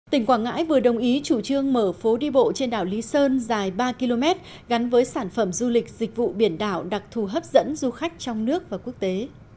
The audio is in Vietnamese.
tỉnh quảng ngãi vừa đồng ý chủ trương mở phố đi bộ trên đảo lý sơn dài ba km gắn với sản phẩm du lịch dịch vụ biển đảo đặc thù hấp dẫn du khách trong nước và quốc tế